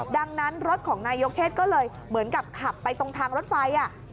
ดังนั้นรถของนายยกเทศก็เลยเหมือนกับขับไปตรงทางรถไฟ